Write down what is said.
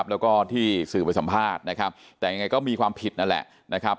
แล้วก็ที่สื่อไปสัมภาษณ์นะครับแต่ยังไงก็มีความผิดนั่นแหละนะครับ